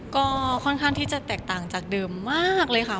ก็ค่อนข้างที่จะแตกต่างจากเดิมมากเลยค่ะ